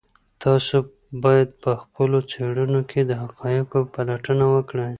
تاسو باید په خپلو څېړنو کې د حقایقو پلټنه وکړئ.